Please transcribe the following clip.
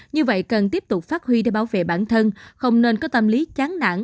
như vậy cần tiếp tục phát huy để bảo vệ bản thân không nên có tâm lý chán nản